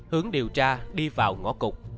hướng điều tra đi vào ngõ cục